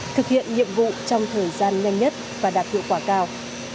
thực hiện nhiệm vụ trong thời gian nhanh nhất và đạt hiệu quả cao